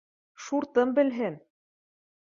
Шуртым белһен.